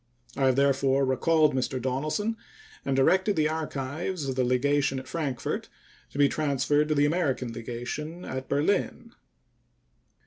I have therefore recalled Mr. Donelson and directed the archives of the legation at Frankfort to be transferred to the American legation at Berlin.